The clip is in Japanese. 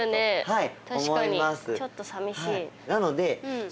はい。